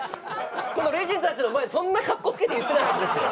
このレジェンドたちの前でそんなカッコつけて言ってないはずですよ。